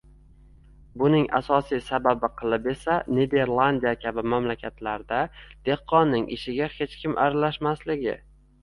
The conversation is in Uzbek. Buning asosiy sababi qilib esa Niderlandiya kabi mamlakatlarda dehqonning ishiga hech kim aralashmasligi